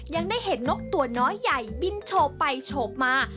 ยังได้เห็นนกตัวน้อยใหญ่บินโชว์ไปโชว์มา